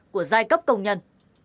của giai cấp công nhân